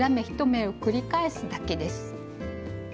１目を繰り返すだけです。